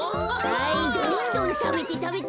はいどんどんたべてたべて。